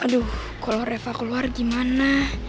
aduh kalau reva keluar gimana